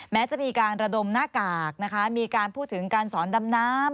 แม้จะมีการระดมหน้ากากนะคะมีการพูดถึงการสอนดำน้ำ